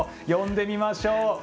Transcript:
呼んでみましょう。